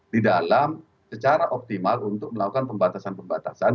di dalam secara optimal untuk melakukan pembatasan pembatasan